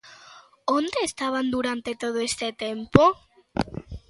Onde estaban durante todo este tempo?